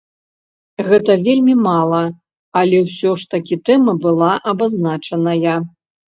Гэта вельмі мала, але ўсё ж такі тэма была абазначаная.